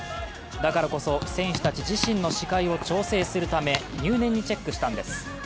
だからこそ選手たち自身の視界を調整するため入念にチェックしたんです。